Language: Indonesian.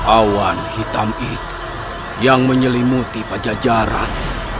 awan hitam itu yang menyelimuti pajajaran